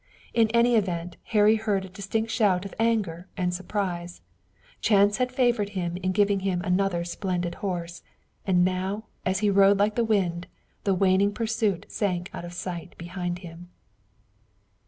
In any event Harry heard a distant shout of anger and surprise. Chance had favored him in giving him another splendid horse, and now, as he rode like the wind, the waning pursuit sank out of sight behind him.